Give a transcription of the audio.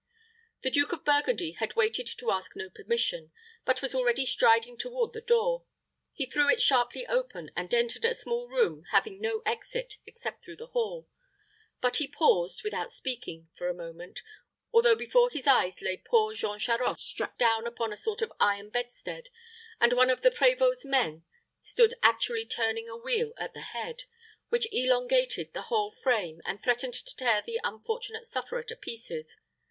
The Duke of Burgundy had waited to ask no permission, but was already striding toward the door. He threw it sharply open, and entered a small room having no exit, except through the hall; but he paused, without speaking, for a moment, although before his eyes lay poor Jean Charost strapped down upon a sort of iron bedstead, and one of the prévôt's men stood actually turning a wheel at the head, which elongated the whole frame, and threatened to tear the unfortunate sufferer to pieces.